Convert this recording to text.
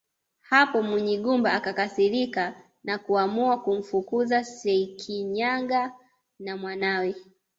Hapo Munyigumba akakasirika na kuamua kumfukuza Sekinyaga na mwanawe